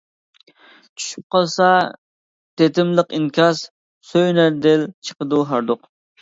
چۈشۈپ قالسا تېتىملىق ئىنكاس، سۆيۈنەر دىل چىقىدۇ ھاردۇق.